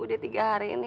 udah tiga hari ini